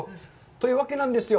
というわけなんですよ。